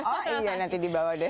oh iya nanti dibawa deh